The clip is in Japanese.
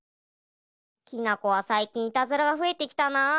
きな子はさいきんいたずらがふえてきたな。